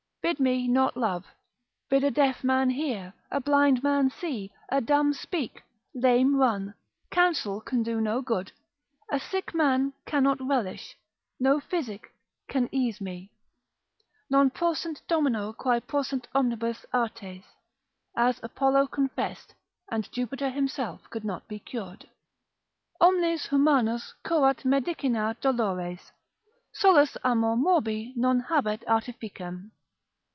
Bid me not love, bid a deaf man hear, a blind man see, a dumb speak, lame run, counsel can do no good, a sick man cannot relish, no physic can ease me. Non prosunt domino quae prosunt omnibus artes. As Apollo confessed, and Jupiter himself could not be cured. Omnes humanos curat medicina dolores, Solus amor morbi non habet artificem.